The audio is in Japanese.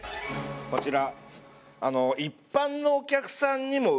こちら。